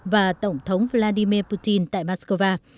và tổng thống vladimir putin tại moscow